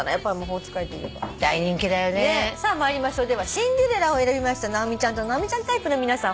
「シンデレラ」を選びました直美ちゃんと直美ちゃんタイプの皆さん